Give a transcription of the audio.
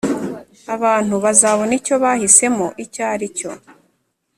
. Abantu bazabona icyo bahisemo icyo aricyo